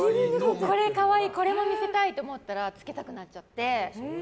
これ可愛いこれも見せたいと思ったらつけたくなっちゃって。